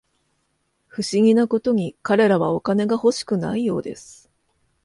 不思議なことに、彼らはお金が欲しくないようです